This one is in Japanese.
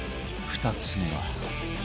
２つ目は